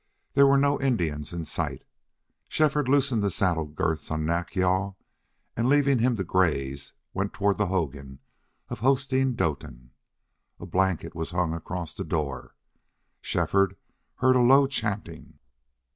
There were no Indians in sight. Shefford loosened the saddle girths on Nack yal and, leaving him to graze, went toward the hogan of Hosteen Doetin. A blanket was hung across the door. Shefford heard a low chanting.